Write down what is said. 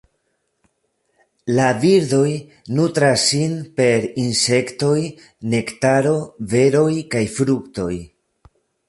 La birdoj nutras sin per insektoj, nektaro, beroj kaj fruktoj.